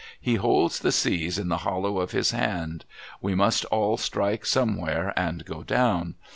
He holds the seas in the hollow of His hand. We must all strike somewhere and go down.